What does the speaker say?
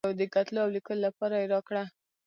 د کتلو او لیکلو لپاره یې راکړه.